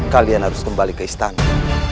kalian harus kembali ke istana